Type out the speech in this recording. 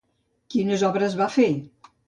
Quines obres va fer?